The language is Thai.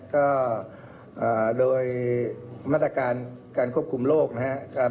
ก็โดยมาตรการการควบคุมโรคนะครับ